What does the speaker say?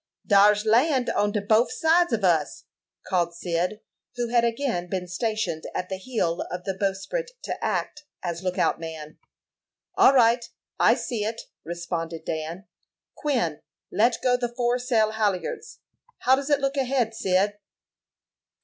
"Dar's land on de bof sides of us," called Cyd, who had again been stationed at the heel of the bowsprit to act as lookout man. "All right! I see it," responded Dan. "Quin, let go the foresail halyards. How does it look ahead, Cyd?"